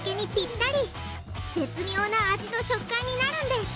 絶妙な味と食感になるんです！